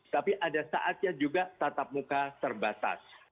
tapi ada saatnya juga tatap muka terbatas